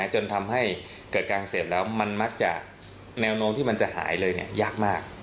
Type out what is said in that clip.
จนทำให้เกิดการเสพแล้วมันมักจะแนวโน้มที่มันจะหายเลยยากมาก